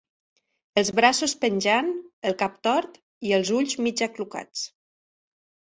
Els braços penjant, el cap tort, i els ulls mig aclucats